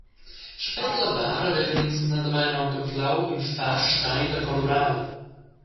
Sper la bara vevan ins numnadamein aunc anflau in fasch teila colurada.